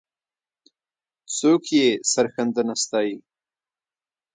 څوک یې سرښندنه ستایي؟